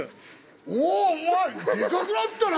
おお前でかくなったな！